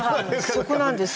そこなんですよ。